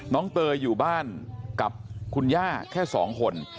เตยอยู่บ้านกับคุณย่าแค่๒คน